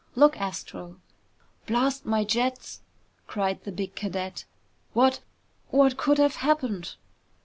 "Look, Astro!" "Blast my jets!" cried the big cadet. "What what could have happened?"